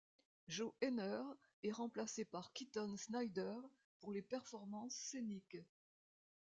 Joe Haener est remplacé par Keaton Snyder pour les performances scéniques.